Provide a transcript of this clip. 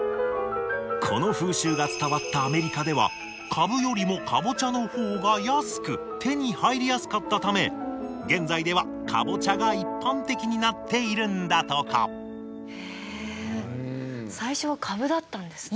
この風習が伝わったアメリカではカブよりもカボチャの方が安く手に入りやすかったため現在ではカボチャが一般的になっているんだとかへえ最初はカブだったんですね。